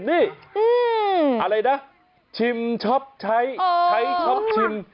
นี่อะไรนะชิมช็อปใช้ใช้ช็อปชิม